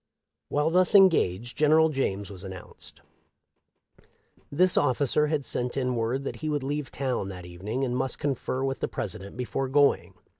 While thus engaged General James was announced. This ofificer had sent in word that he would leave town that evening, and must confer with the President before going.